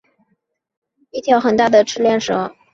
长的草里是不去的，因为相传这园里有一条很大的赤练蛇